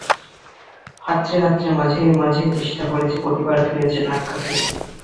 হাতড়ে হাতড়ে মাঝে মাঝে চেষ্টা করেছে, প্রত্যেকবার ফিরেছে ধাক্কা খেয়ে।